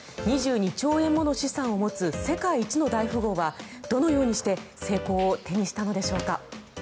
２２兆円もの資産を持つ世界一の大富豪はどのようにして成功を手にしたのでしょうか。